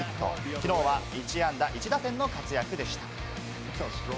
昨日は１安打１打点の活躍でした。